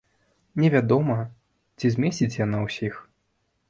Невядома, ці змесціць яна ўсіх.